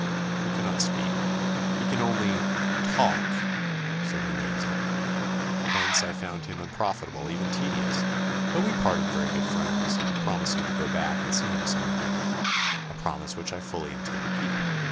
He cannot speak, he can only tal k (so he names it). Hence I found him unprofitable, even tedious; but we parted very good friends, I promising to go back and see him some evening a promise which I fully intend to keep.